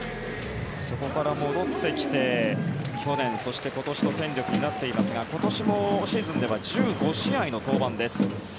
そこから戻ってきて去年、そして今年の戦力になっていますが今年もシーズンでは１５試合の登板です。